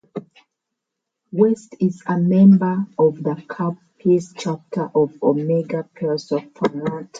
West is a member of the Kappa Psi chapter of Omega Psi Phi Fraternity.